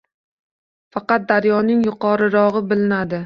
Faqat daryoning yuqorirog‘i bilinadi